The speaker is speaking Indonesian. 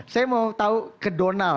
saya mau tahu ke donal